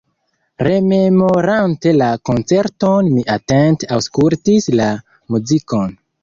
Rememorante la koncerton, mi atente aŭskultis la muzikon.